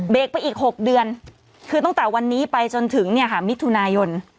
เบรกไปอีก๖เดือนคือตั้งแต่วันนี้ไปจนถึงมิถุนายน